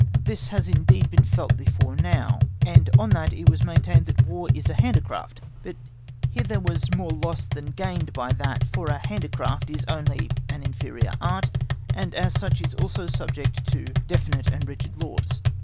This has indeed been felt before now, and on that it was maintained that War is a handicraft; but there was more lost than gained by that, for a handicraft is only an inferior art, and as such is also subject to definite and rigid laws.